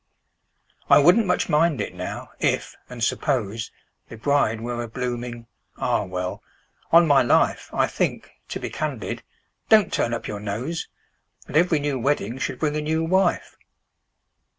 "I wouldn't much mind it, now—if—and suppose— The bride were a blooming—Ah! well—on my life, I think—to be candid—(don't turn up your nose!) That every new wedding should bring a new wife!"